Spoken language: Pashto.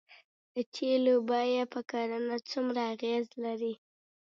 د تیلو بیه په کرنه څومره اغیز لري؟